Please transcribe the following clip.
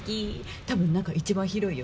多分中一番広いよ。